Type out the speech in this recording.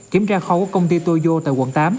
kiểm tra khoa quốc công ty toyo tại quận tám